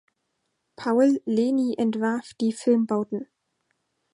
Paul Leni entwarf die Filmbauten.